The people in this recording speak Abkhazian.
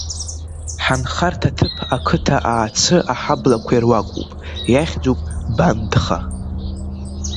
Ҳанхарҭа ҭыԥ ақыҭа Аацы аҳаблақәа ируакуп, иахьӡуп бандха.